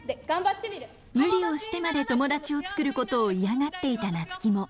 無理をしてまで友達を作ることを嫌がっていた夏樹も。